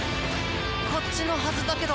こっちのはずだけど。